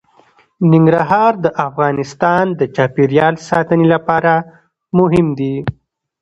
ننګرهار د افغانستان د چاپیریال ساتنې لپاره مهم دي.